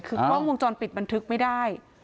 คือกล้องวงจรปิดบันทึกไม่ได้